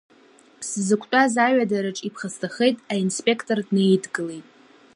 Сзықәтәаз аҩадараҿ иԥхасҭахеит, аинспектор днаидгылеит.